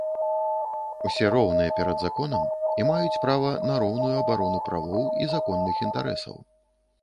Усе роўныя перад законам і маюць права на роўную абарону правоў і законных інтарэсаў.